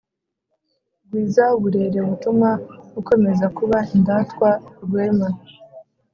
gwiza uburere butuma ukomeza kuba indatwa rwema.